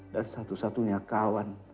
dan satu satunya kawan